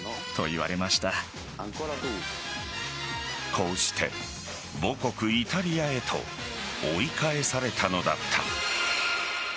こうして母国・イタリアへと追い返されたのだった。